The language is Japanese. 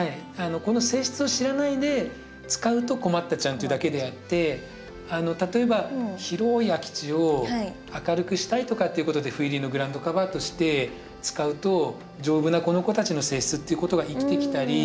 この性質を知らないで使うと困ったちゃんっていうだけであって例えば広い空き地を明るくしたいとかっていうことで斑入りのグラウンドカバーとして使うと丈夫なこの子たちの性質っていうことが生きてきたり